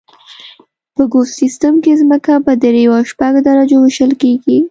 په ګوس سیستم کې ځمکه په دریو او شپږو درجو ویشل کیږي